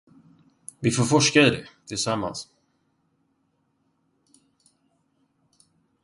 Vi får forska i det, tillsammans.